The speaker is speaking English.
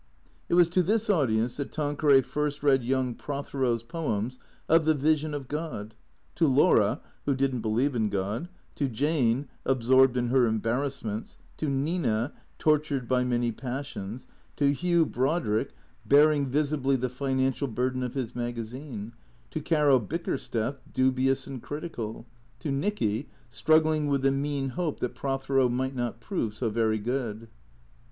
It was to this audience that Tanqueray first read young Pro thero's poems of the Vision of God ; to Laura, who did n't believe in God; to Jane, absorbed in her embarrassments; to Nina, tortured by many passions; to Hugh Brodrick, bearing 190 T H E C R E A T 0 R S visibly the financial burden of his magazine; to Caro Bick ersteth, dubious and critical; to Nicky, struggling with the nieaq hope that Prothero might not prove so very good.